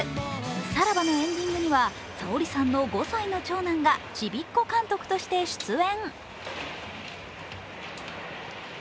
「サラバ」のエンディングにはＳａｏｒｉさんの５歳の長男がちびっこ監督として出演。